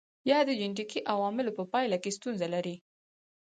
یا د جنېټیکي عواملو په پایله کې ستونزه لري.